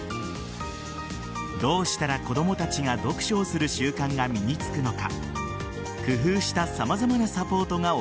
どうしたら子供たちが読書をする習慣が身につくのか。